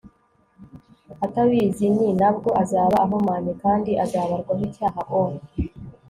atabizi n nabwo azaba ahumanye kandi azabarwaho icyaha o